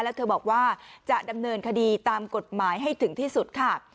แล้วเธอบอกว่าจะดำเนินคดีตามกฎหมายให้ถึงที่สุดค่ะ